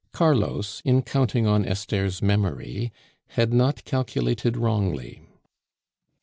Carlos, in counting on Esther's memory, had not calculated wrongly.